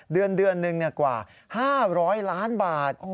เดือนหนึ่งกว่า๕๐๐ล้านบาท